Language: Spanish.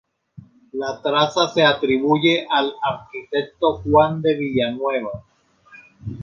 La traza se atribuye al arquitecto Juan de Villanueva.